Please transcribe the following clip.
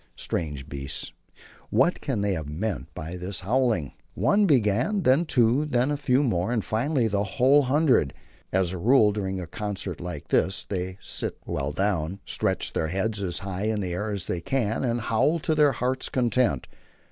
Strange beasts! what can they have meant by this howling? One began, then two, then a few more, and, finally, the whole hundred. As a rule, during a concert like this they sit well down, stretch their heads as high in the air as they can, and howl to their hearts' content.